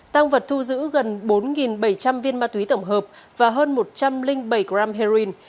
tăng vật thu giữ gần bốn bảy trăm linh viên ma túy tổng hợp và hơn một trăm linh bảy gram heroin